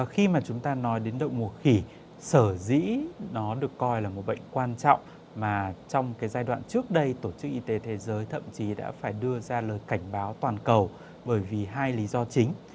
khi mà chúng ta nói đến động ngủ khỉ sở dĩ nó được coi là một bệnh quan trọng mà trong cái giai đoạn trước đây tổ chức y tế thế giới thậm chí đã phải đưa ra lời cảnh báo toàn cầu bởi vì hai lý do chính